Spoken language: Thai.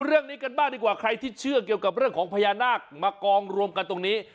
เรื่องนี้กันบ้างดีกว่าใครที่เชื่อเกี่ยวกับเรื่องของพญานาคมากองรวมกันตรงนี้